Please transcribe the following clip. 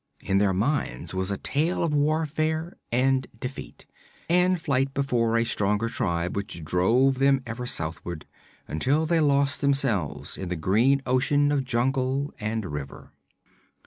In their minds was a tale of warfare and defeat, and flight before a stronger tribe which drove them ever southward, until they lost themselves in the green ocean of jungle and river.